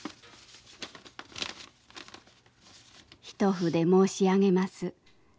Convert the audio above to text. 「一筆申し上げます。